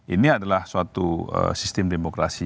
ini adalah suatu sistem demokrasi